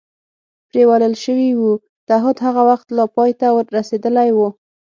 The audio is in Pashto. پرېولل شوي و، تعهد هغه وخت لا پای ته رسېدلی و.